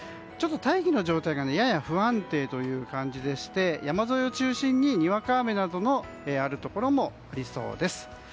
大気の状態がやや不安定という感じでして山沿いを中心に、にわか雨などがあるところもありそうです。